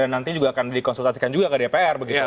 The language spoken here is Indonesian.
nanti juga akan dikonsultasikan juga ke dpr begitu